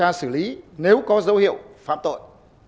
điều tra xử lý nếu có dấu hiệu phạm tội